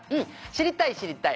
知りたい知りたい。